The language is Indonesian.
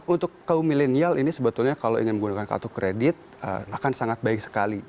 untuk kaum milenial ini sebetulnya kalau ingin menggunakan kartu kredit akan sangat baik sekali